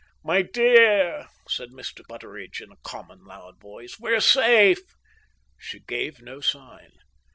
"Me dear!" said Mr. Butteridge, in a common, loud voice, "we're safe!" She gave no sign.